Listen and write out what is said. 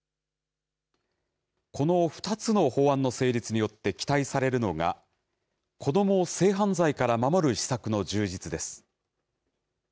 この２つの法案の成立によって期待されるのが、子どもを性犯罪から守る施策の充実です。